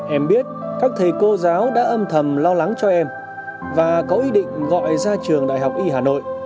em biết các thầy cô giáo đã âm thầm lo lắng cho em và có ý định gọi ra trường đại học y hà nội